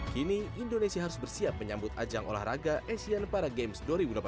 kini indonesia harus bersiap menyambut ajang olahraga asian para games dua ribu delapan belas